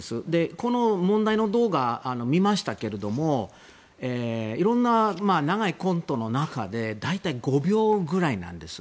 この問題の動画を見ましたけどもいろんな長いコントの中で大体、５秒ぐらいなんです。